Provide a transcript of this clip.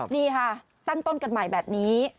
นี่ค่ะตั้งต้นกันใหม่แบบนี้